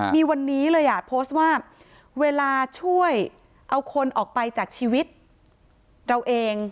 มีวันนี้เลยอ่ะโพสต์ว่าเวลาช่วยเอาคนออกไปจากชีวิตเราเอง